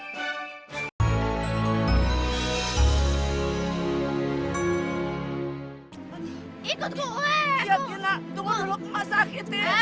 ya tina tunggu dulu kemas sakitnya